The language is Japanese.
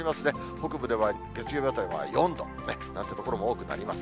北部では月曜日あたりは４度、１桁の所も多くなります。